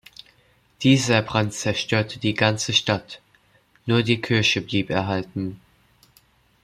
Dieser Brand zerstörte die ganze Stadt, nur die Kirche blieb erhalten.